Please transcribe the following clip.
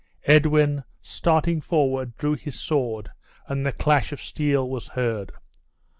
Edwin, starting forward, drew his sword, and the clash of steel was heard.